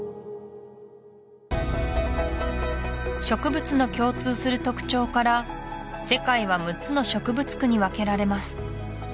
植物の共通する特徴から世界は６つの植物区に分けられます